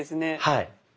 はい。